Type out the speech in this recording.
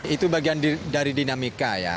itu bagian dari dinamika ya